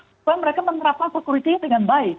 supaya mereka menerapkan security nya dengan baik